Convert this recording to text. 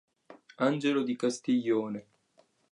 Angelo di Castiglione.